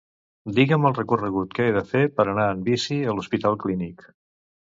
Digue'm el recorregut que he de fer per anar en bici a l'Hospital Clínic.